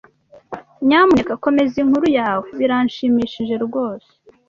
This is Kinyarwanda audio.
Nyamuneka komeza inkuru yawe. Birashimishije rwose.